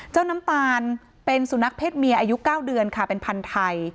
น้ำตาลเป็นสุนัขเพศเมียอายุ๙เดือนค่ะเป็นพันธุ์ไทย